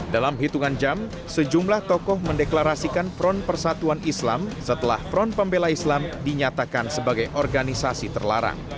dalam hitungan jam sejumlah tokoh mendeklarasikan front persatuan islam setelah front pembela islam dinyatakan sebagai organisasi terlarang